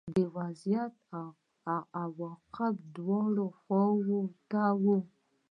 د وضعیت عواقب دواړو خواوو ته وو